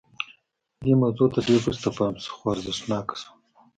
دې موضوع ته ډېر وروسته پام شو خو ارزښتناکه شوه